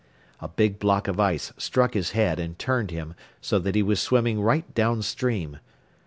A big block of ice struck his head and turned him so that he was swimming right downstream.